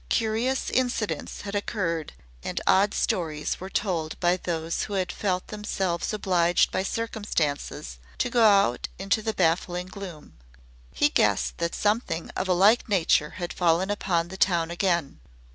Curious incidents had occurred and odd stories were told by those who had felt themselves obliged by circumstances to go out into the baffling gloom. He guessed that something of a like nature had fallen upon the town again.